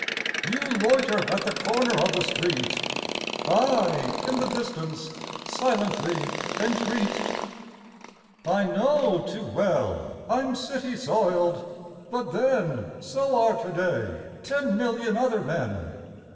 You loiter at the corner of the street; I in the distance silently entreat. I know too well I'm city soiled, but then So are today ten million other men.